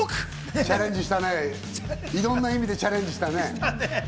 チャレンジしたね、いろんな意味でチャレンジしたね。